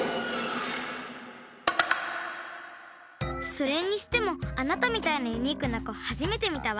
それにしてもあなたみたいなユニークなこはじめてみたわ。